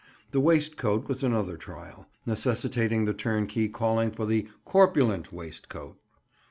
The waistcoat was another trial, necessitating the turnkey calling for the "corpulent waistcoat."